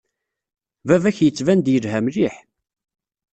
Baba-k yettban-d yelha mliḥ.